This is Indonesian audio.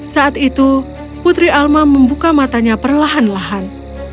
saat itu putri alma membuka matanya perlahan lahan